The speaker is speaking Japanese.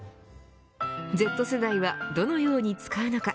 Ｚ世代はどのように使うのか。